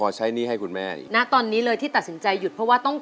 โอ้โหตัดสินใจหยุด